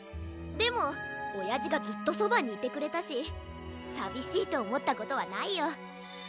でもおやじがずっとそばにいてくれたしさびしいとおもったことはないよ。